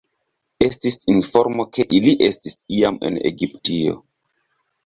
Estis informo, ke ili estis iam en Egiptio.